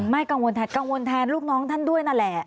กังวลกังวลแทนลูกน้องท่านด้วยนั่นแหละ